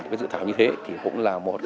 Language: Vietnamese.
cái dự thảo như thế thì cũng là một